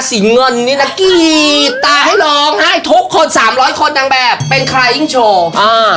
เงินนี่นะกรีดตาให้ร้องไห้ทุกคนสามร้อยคนนางแบบเป็นใครยิ่งโชว์อ่า